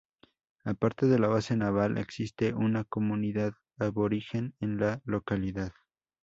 Aparte de la base naval existe una comunidad aborigen en la localidad.